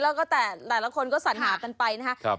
แล้วก็แต่หลายคนก็สัญหากันไปนะครับ